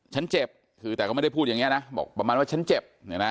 เจ็บคือแต่ก็ไม่ได้พูดอย่างนี้นะบอกประมาณว่าฉันเจ็บ